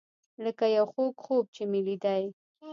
لکه یو خوږ خوب چې مې لیدی.